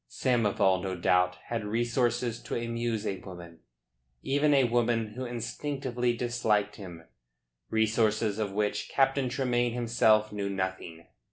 Samoval, no doubt, had resources to amuse a woman even a woman who instinctively, disliked him resources of which Captain Tremayne himself knew nothing.